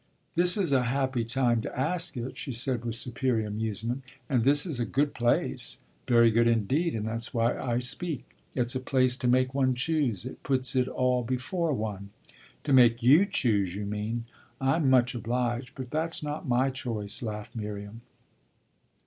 "This is a happy time to ask it!" she said with superior amusement. "And this is a good place!" "Very good indeed, and that's why I speak: it's a place to make one choose it puts it all before one." "To make you choose, you mean. I'm much obliged, but that's not my choice," laughed Miriam.